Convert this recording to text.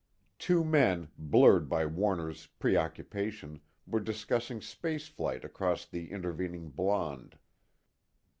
Two men, blurred by Warner's preoccupation, were discussing space flight across the intervening blonde.